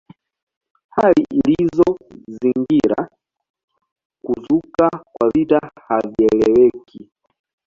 Hali zilizozingira kuzuka kwa vita hazieleweki